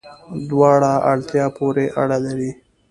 دواړه، اړتیا پوری اړه لری